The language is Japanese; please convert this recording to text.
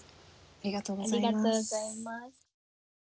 ありがとうございます。